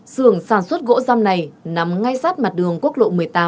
sường sản xuất gỗ giam này nằm ngay sát mặt đường quốc lộ một mươi tám